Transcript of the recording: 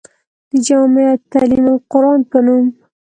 د جامعه تعليم القرآن پۀ نوم